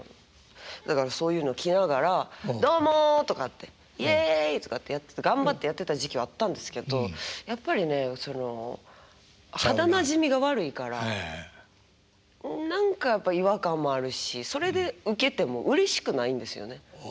だからそういうの着ながら「どうも」とかって「イエイ」とかって頑張ってやってた時期はあったんですけどやっぱりねその肌なじみが悪いから何かやっぱ違和感もあるしそれでウケてもうれしくないんですよね。